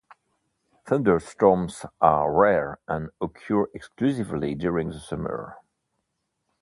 Thunderstorms are rare and occur exclusively during the summer.